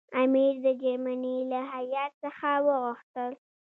امیر د جرمني له هیات څخه وغوښتل.